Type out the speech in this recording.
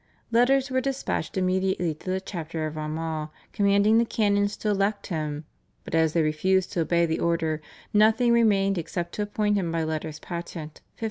Letters were dispatched immediately to the Chapter of Armagh commanding the canons to elect him, but as they refused to obey the order, nothing remained except to appoint him by letters patent (1562).